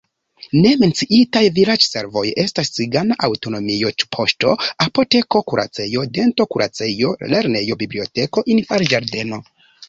Ne menciitaj vilaĝservoj estas cigana aŭtonomio, poŝto, apoteko, kuracejo, dentokuracejo, lernejo, biblioteko, infanĝardeno.